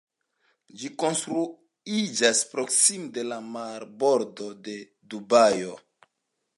Ĝi konstruiĝas proksime de la marbordo de Dubajo.